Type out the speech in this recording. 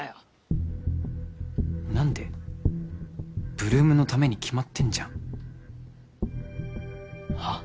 ８ＬＯＯＭのために決まってんじゃんはっ？